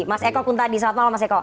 mas eko kuntadi selamat malam mas eko